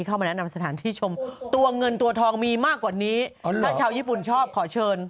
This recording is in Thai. เข้ามาแนะนำสถานที่ชมตัวเงินตัวทองมีมากกว่านี้ถ้าชาวญี่ปุ่นชอบขอเชิญ